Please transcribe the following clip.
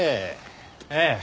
ええ。